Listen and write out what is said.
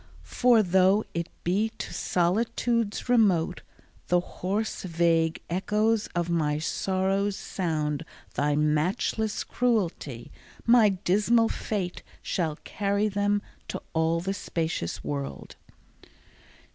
For, though it be to solitudes remote The hoarse vague echoes of my sorrows sound Thy matchless cruelty, my dismal fate Shall carry them to all the spacious world.